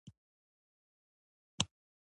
زه هلته ناست وم، ما ټولې خبرې واوريدې!